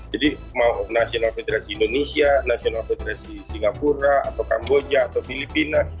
jadi mau national federasi indonesia national federasi singapura atau kamboja atau filipina